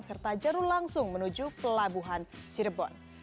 serta jarum langsung menuju pelabuhan cirebon